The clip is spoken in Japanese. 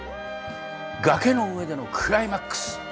崖の上でのクライマックス。